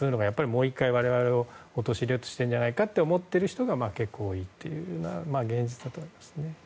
もう１回、我々を陥れようとしているのではないかと思っている人が結構多いという現実だと思いますね。